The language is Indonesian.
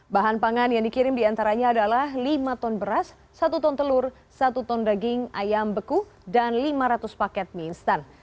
bahan pangan yang dikirim diantaranya adalah lima ton beras satu ton telur satu ton daging ayam beku dan lima ratus paket mie instan